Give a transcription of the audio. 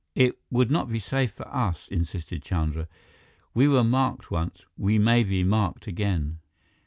"It would not be safe for us," insisted Chandra. "We were marked once; we may be marked again."